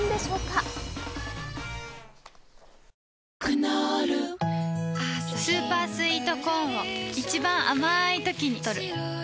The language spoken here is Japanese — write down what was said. クノールスーパースイートコーンを一番あまいときにとる